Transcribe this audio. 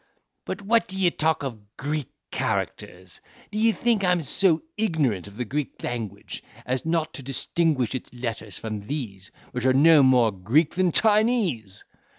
But what d'ye talk of Greek characters? D'ye think I am so ignorant of the Greek language, as not to distinguish its letters from these, which are no more Greek than Chinese?